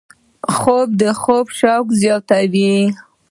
خوب د خوب شوق زیاتوي